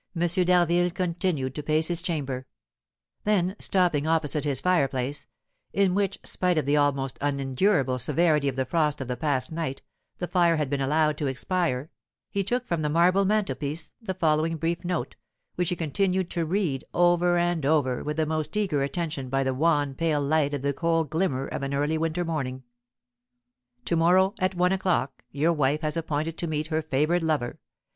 d'Harville continued to pace his chamber; then, stopping opposite his fireplace, in which, spite of the almost unendurable severity of the frost of the past night, the fire had been allowed to expire, he took from the marble mantelpiece the following brief note, which he continued to read over and over with the most eager attention by the wan, pale light of the cold glimmer of an early winter morning: "To morrow, at one o'clock, your wife has appointed to meet her favoured lover.